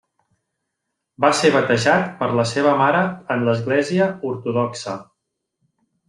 Va ser batejat per la seva mare en l'Església ortodoxa.